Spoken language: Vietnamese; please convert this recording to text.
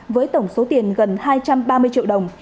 với tổng số tiền gần hai trăm ba mươi triệu đồng